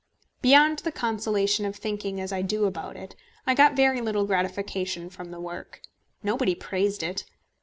Beyond the consolation of thinking as I do about it, I got very little gratification from the work. Nobody praised it.